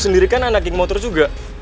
dan anak yang motor juga